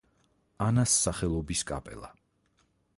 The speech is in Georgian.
ანას სახელობის კაპელა.